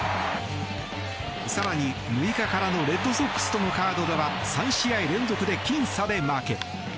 更に、６日からのレッドソックスとのカードでは３試合連続で僅差で負け。